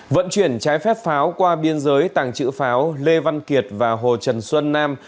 vận chuyển trái phép pháo qua biên giới tàng trữ pháo lê văn kiệt và hồ trần xuân nam